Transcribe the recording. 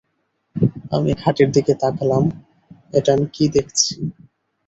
আমি খাটের দিকে তাকলাম-এটা আমি কী দেখছি!